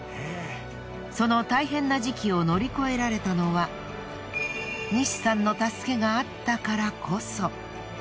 その大変な時期を乗り越えられたのは西さんの助けがあったからこそ。